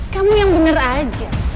kamu yang bener aja